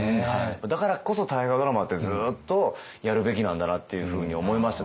だからこそ大河ドラマってずっとやるべきなんだなっていうふうに思いました